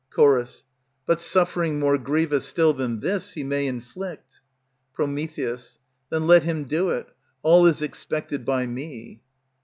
Ch. But suffering more grievous still than this he may inflict. Pr. Then let him do it; all is expected by me.